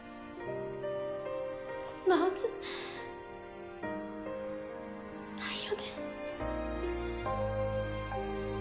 そんなはずないよね？